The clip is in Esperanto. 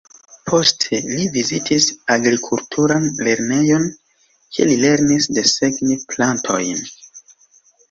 Poste li vizitis agrikulturan lernejon, kie li lernis desegni plantojn.